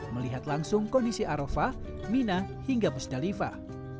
melihat langsung kondisi arofah mina hingga musdalifah